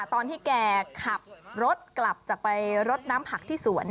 ตอนที่แกขับรถกลับจากไปรดน้ำผักที่สวน